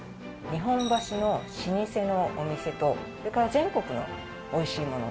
日本橋の老舗のお店とそれから全国のおいしいもの